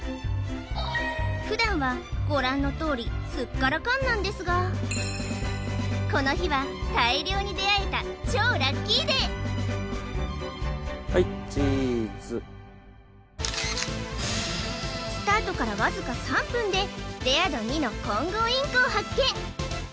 普段はご覧のとおりスッカラカンなんですがこの日は大量に出会えた超ラッキーデーはいチーズスタートからわずか３分でレア度２のコンゴウインコを発見